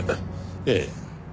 ええ。